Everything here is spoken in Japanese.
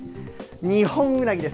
ニホンウナギです。